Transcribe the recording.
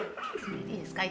いいですか？